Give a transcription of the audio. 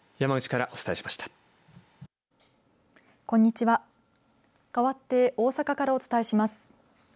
かわって大阪からお伝えします。